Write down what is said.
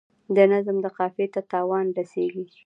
د نظم قافیې ته تاوان رسیږي.